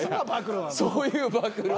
そういう暴露を。